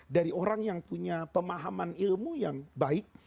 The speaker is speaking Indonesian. dari orang yang punya pemahaman ilmu yang baik